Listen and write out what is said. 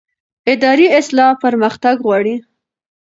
اداري اصلاح پرمختګ غواړي